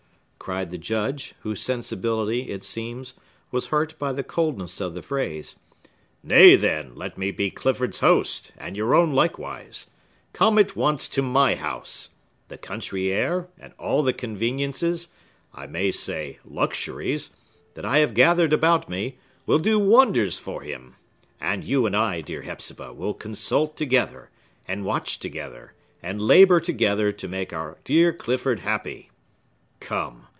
cried the Judge, whose sensibility, it seems, was hurt by the coldness of the phrase. "Nay, then, let me be Clifford's host, and your own likewise. Come at once to my house. The country air, and all the conveniences,—I may say luxuries,—that I have gathered about me, will do wonders for him. And you and I, dear Hepzibah, will consult together, and watch together, and labor together, to make our dear Clifford happy. Come!